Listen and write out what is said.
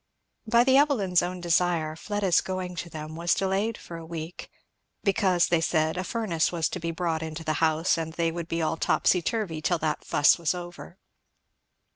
By the Evelyns' own desire Fleda's going to them was delayed for a week, because, they said, a furnace was to be brought into the house and they would be all topsy turvy till that fuss was over.